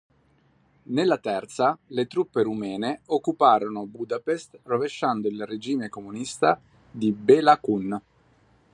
Nella terza le truppe rumene occuparono Budapest rovesciando il regime comunista di Béla Kun.